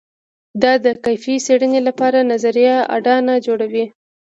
دا د کیفي څېړنې لپاره نظري اډانه جوړوي.